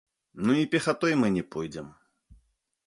Ну і пехатой мы не пойдзем.